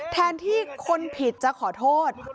แทนที่คนผิดจะขอโทษ